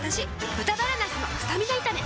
「豚バラなすのスタミナ炒め」